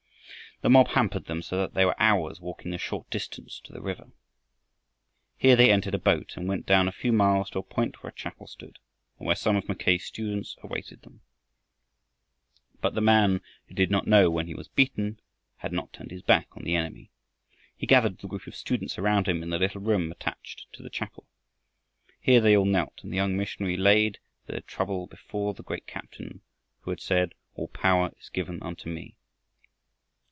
The mob hampered them so that they were hours walking the short distance to the river. Here they entered a boat and went down a few miles to a point where a chapel stood, and where some of Mackay's students awaited them. But the man who "did not know when he was beaten" had not turned his back on the enemy. He gathered the group of students around him in the little room attached to the chapel. Here they all knelt and the young missionary laid their trouble before the great Captain who had said, "All power is given unto me."